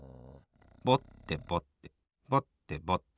ぼってぼってぼってぼって。